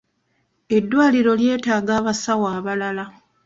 Eddwaliro lyetaaga abasawo abalala.